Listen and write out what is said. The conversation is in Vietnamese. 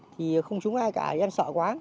thì không trúng ai cả em sợ quá